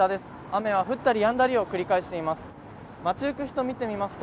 雨は降ったりやんだりを繰り返しています。